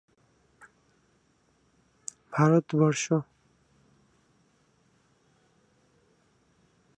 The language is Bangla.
ভারত বর্ষ।